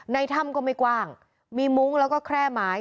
ในถ้ำก็ไม่กว้างมีมุ้งแล้วก็แคร่ไม้